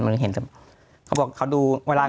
มันเห็นบอกเขาดูเวลา